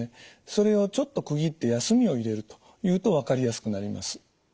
それをちょっと区切って休みを入れるというと分かりやすくなります。